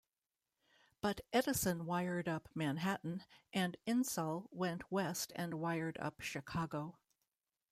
But Edison wired up Manhattan and Insull went West and wired up Chicago.